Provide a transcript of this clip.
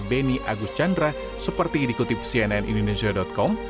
beni agus chandra seperti dikutip cnnindonesia com